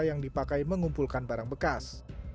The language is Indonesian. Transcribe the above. yang dipakai mengumpulkan barang bekas